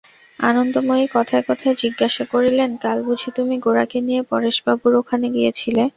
আনন্দময়ী কথায় কথায় জিজ্ঞাসা করিলেন, কাল বুঝি তুমি গোরাকে নিয়ে পরেশবাবুর ওখানে গিয়েছিলে?